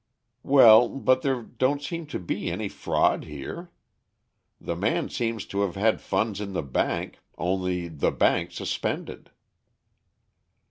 "Well, but there don't seem to be any fraud here. The man seems to have had funds in the bank, only the bank suspended."